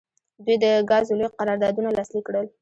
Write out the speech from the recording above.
دوی د ګازو لوی قراردادونه لاسلیک کړل.